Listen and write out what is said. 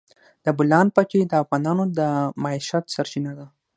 د بولان پټي د افغانانو د معیشت سرچینه ده.